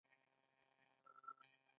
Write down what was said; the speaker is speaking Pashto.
ځوانانو ته پکار ده چې، سوداګري زیاته کړي.